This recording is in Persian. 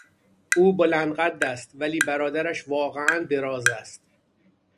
او بلند قد است ولی برادرش واقعا دراز است.